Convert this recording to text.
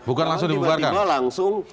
bukan langsung dibubarkan